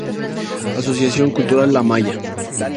Asociación Cultural La Maya